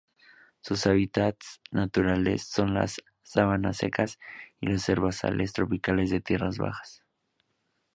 Sus hábitats naturales son las sabanas secas y los herbazales tropicales de tierras bajas.